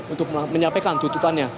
untuk menyapekan tuntutannya